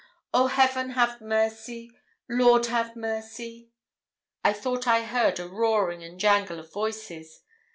Oh Heaven, have mercy! Lord, have mercy!' I thought I heard a roaring and jangle of voices.